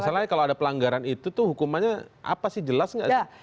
masalahnya kalau ada pelanggaran itu tuh hukumannya apa sih jelas nggak sih